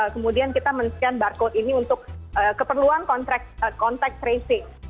kemudian kita men scan barcode ini untuk keperluan kontak tracing